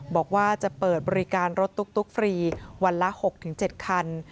บอกว่าจะเปิดบริการรถตุ๊กฟรีวันละ๖๗คัน